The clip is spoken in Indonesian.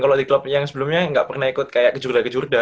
kalau di klub yang sebelumnya nggak pernah ikut kayak kejurda kejurda